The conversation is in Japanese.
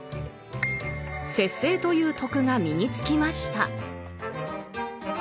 節制という「徳」が身につきました。